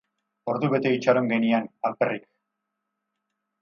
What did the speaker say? Ordu bete itxaron genian, alperrik.